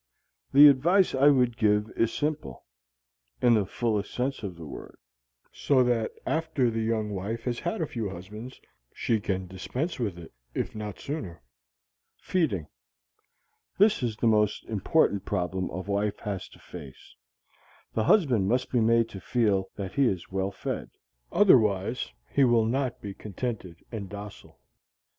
The advice I would give is simple (in the fullest sense of the word); so that after the young wife has had a few husbands, she can dispense with it, if not sooner. Feeding. This is the most important problem a wife has to face. The husband must be made to feel that he is well fed. Otherwise he will not be contented and docile.